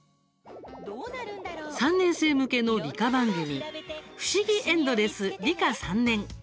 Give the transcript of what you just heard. ３年生向けの理科番組「ふしぎエンドレス理科３年」。